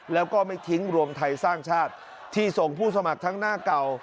แล้วก็ไม่ทิ้งรวมไทยสร้างชาติที่ส่งผู้สมัครทั้งหน้าเก่า